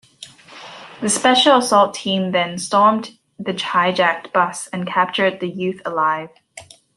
The Special Assault Team then stormed the hijacked bus and captured the youth alive.